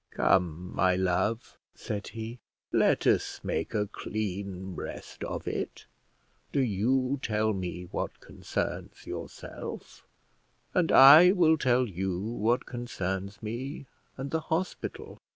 "Come, my love," said he, "let us make a clean breast of it: do you tell me what concerns yourself, and I will tell you what concerns me and the hospital."